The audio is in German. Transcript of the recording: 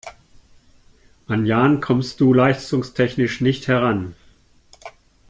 An Jan kommst du leistungstechnisch nicht heran.